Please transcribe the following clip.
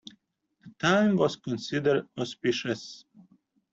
The time was considered auspicious.